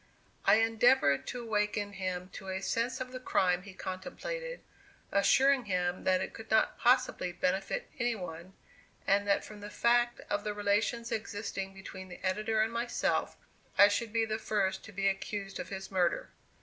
I endeavored to awaken him to a sense of the crime he contemplated, assuring him that it could not possibly benefit any one, and that from the fact of the relations existing between the editor and myself, I should be the first to be accused of his murder.